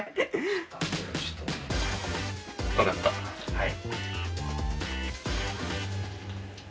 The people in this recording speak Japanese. はい。